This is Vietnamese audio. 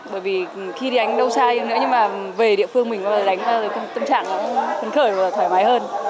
bởi vì khi đi đánh đâu sai nữa nhưng mà về địa phương mình có thể đánh tâm trạng phấn khởi và thoải mái hơn